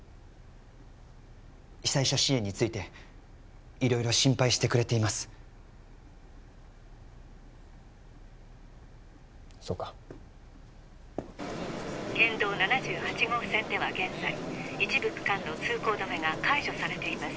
被災者支援について色々心配してくれていますそうか県道７８号線では現在一部区間の通行止めが解除されています